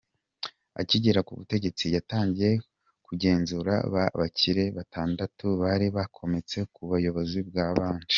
Akigera ku butegetsi yatangiye kugenzura ba bakire batandatu bari bakomeye ku buyobozi bwabanje.